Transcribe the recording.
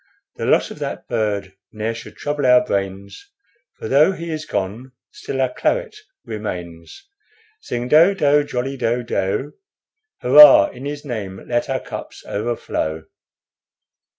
The loss of that bird ne'er should trouble our brains, For though he is gone, still our claret remains. Sing do do jolly do do! Hurrah! in his name let our cups overflow."